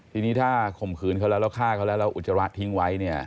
ทีนี้ถ้าข่มขืนเขาแล้วฆ่าเขาแล้วอุจจาระทิ้งไว้